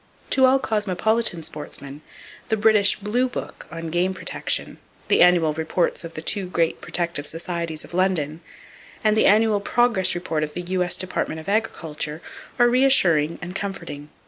To all cosmopolitan sportsmen, the British "Blue Book" on game protection, the annual reports of the two great protective societies of London, and the annual "Progress" report of the U.S. Department of Agriculture are reassuring and comforting.